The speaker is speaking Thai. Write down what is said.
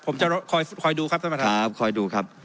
ผมจะคอยดูครับท่านประธานครับคอยดูครับ